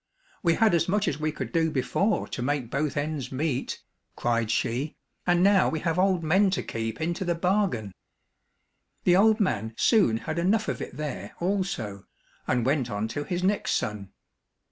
" We had as much as we could do before to make both ends meet," cried she, " and now we have old men to keep into the bargain." The old man soon had enough of it there also, and went on to his next son.